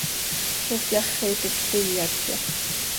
¿Zó cyaxi iti cöquíyatya?